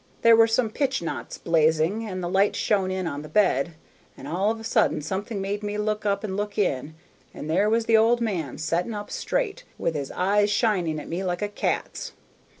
There were some pitch knots blazing, and the light shone in on the bed, and all of a sudden something made me look up and look in; and there was the old man setting up straight, with his eyes shining at me like a cat's.